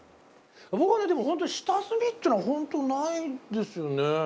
僕はねでも本当に下積みっていうのが本当にないんですよね。